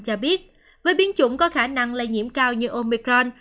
cho biết với biến chủng có khả năng lây nhiễm cao như omicron